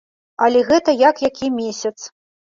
Але гэта як які месяц.